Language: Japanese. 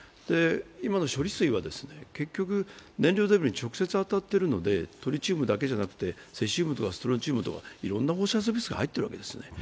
今の処理水は結局、燃料デブリに直接当たっているのでトリチウムだけではなくてセシウムとかストロンチウムとかいろいろな放射性物質が入っているわけですね